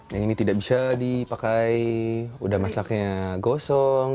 yang ini tidak bisa dipakai udah masaknya gosong